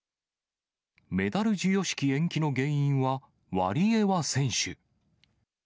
メダル授与式延期の原因はワリエワ選手。